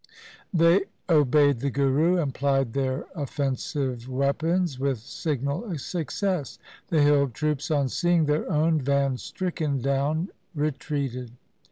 They obeyed the Guru, and plied their offensive weapons with signal success. The hill troops on seeing their own van stricken down retreated.